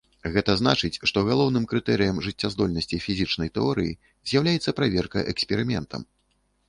Гэта значыць, што галоўным крытэрыем жыццяздольнасці фізічнай тэорыі з'яўляецца праверка эксперыментам.